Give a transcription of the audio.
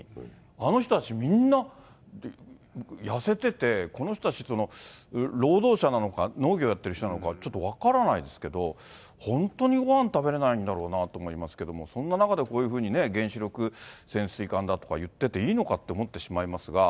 あの人たち、みんな、痩せてて、この人たち、労働者なのか、農業やってる人なのか、分からないですけど、本当にごはん食べれないんだろうなと思いますけれども、そんな中でこういうふうに原子力潜水艦だとか言ってていいのかって思ってしまいますが。